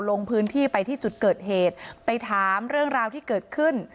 ลงพื้นที่ไปที่จุดเกิดเหตุไปถามเรื่องราวที่เกิดขึ้น